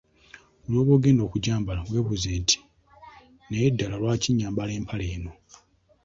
Buli lw'oba ogenda okugyamba weebuuze nti, “Naye ddala lwaki nyambala empale eno?